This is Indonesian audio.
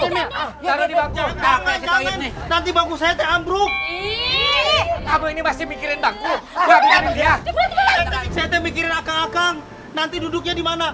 nanti baku saya ambrose ini masih mikirin